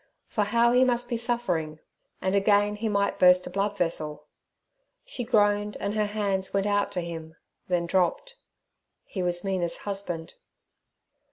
for how he must be suffering, and again he might burst a bloodvessel. She groaned and her hands went out to him, then dropped; he was Mina's husband.